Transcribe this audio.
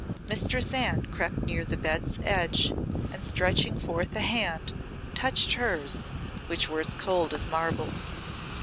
Mistress Anne crept near the bed's edge, and stretching forth a hand, touched hers, which were as cold as marble.